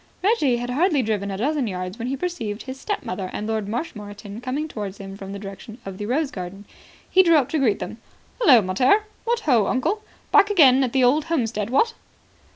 Reggie had hardly driven a dozen yards when he perceived his stepmother and Lord Marshmoreton coming towards him from the direction of the rose garden. He drew up to greet them. "Hullo, mater. What ho, uncle! Back again at the old homestead, what?"